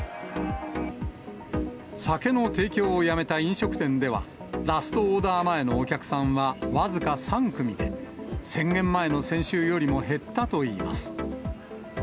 酒の提供をやめた飲食店では、ラストオーダー前のお客さんは僅か３組で、宣言前の先週よりも減ったといいます。